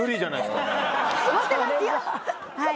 はい。